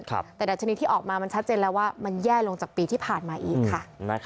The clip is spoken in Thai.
แต่ดัชนีที่ออกมามันชัดเจนแล้วว่ามันแย่ลงจากปีที่ผ่านมาอีกค่ะ